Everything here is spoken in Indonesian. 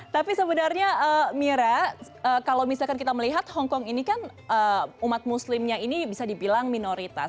tapi sebenarnya mira kalau misalkan kita melihat hongkong ini kan umat muslimnya ini bisa dibilang minoritas